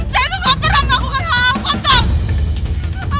saya tuh gak pernah melakukan hal kotor